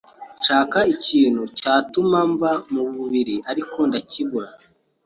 nshaka ikintu cyatuma mva mu mubiri ariko ndakibura